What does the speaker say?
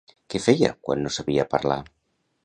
Què feia quan no sabia parlar?